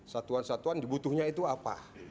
satuan satuan dibutuhnya itu apa